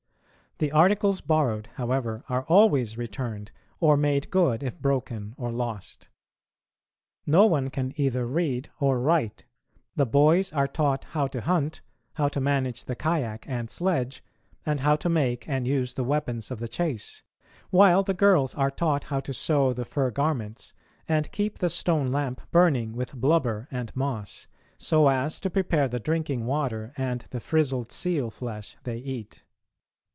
The articles borrowed, however, are always returned, or made good if broken or lost. No one can either read or write; the boys are taught how to hunt, how to manage the kayak and sledge, and how to make and use the weapons of the chase, while the girls are taught how to sew the fur garments, and keep the stone lamp burning with blubber and moss, so as to prepare the drinking water and the frizzled seal flesh they eat.